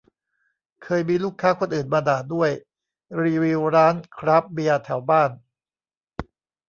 เคยมีลูกค้าคนอื่นมาด่าด้วย รีวิวร้านคราฟต์เบียร์แถวบ้าน